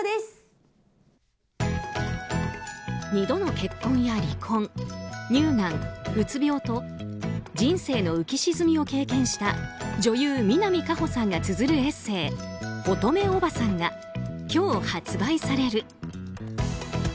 ２度の結婚や離婚乳がん、うつ病と人生の浮き沈みを経験した女優・南果歩さんがつづるエッセー「乙女オバさん」が今日、発売される。